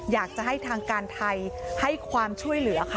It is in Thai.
อยากจะให้ทางการไทยให้ความช่วยเหลือค่ะ